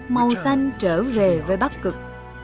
màu xanh trở về với bắc cực